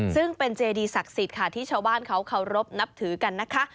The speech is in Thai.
ซึ่งเป็นเจดีศักดิ์สิทธิ์ค่ะที่ชาวบ้านเขาเคารพนับถือกันนะคะ